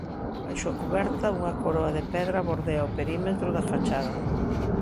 Baixo a cuberta unha coroa de pedra bordea o perímetro da fachada.